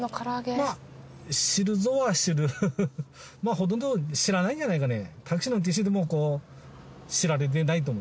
ほとんど知らないんじゃないかね？